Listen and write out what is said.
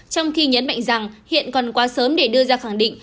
trong khi nhấn mạnh rằng hiện còn quá sớm để đưa ra khẳng định